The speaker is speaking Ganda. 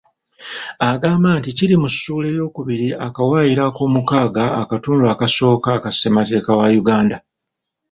Agamba nti kiri mu ssuula eyookubiri akawaayiro ak'omukaaga akatundu akasooka aka ssemateeka wa Uganda.